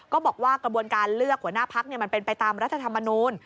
ก็บอกว่ากระบวนการเลือกหัวหน้าพักมันเป็นไปตามรัฐธรรมนูล